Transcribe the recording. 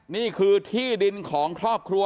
นี่คือที่ดินของครอบครัว